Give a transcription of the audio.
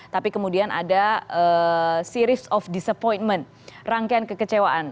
tapi kemudian ada series of deceployment rangkaian kekecewaan